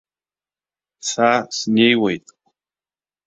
Са снеиуеит.